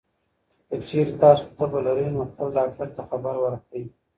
که چېرې تاسو تبه لرئ، نو خپل ډاکټر ته خبر ورکړئ.